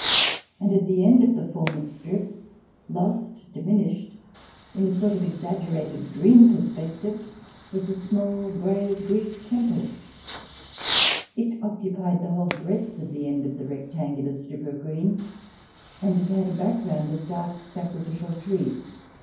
And at the end of the formal strip, lost, diminished, in a sort of exaggerated dream perspective, was a small grey Greek Temple. It occupied the whole breadth of the end of the rectangular strip of green, and it had a background of dark sacrificial trees.